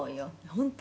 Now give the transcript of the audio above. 「本当？